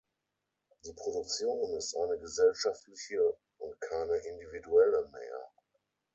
Die Produktion ist eine gesellschaftliche und keine individuelle mehr.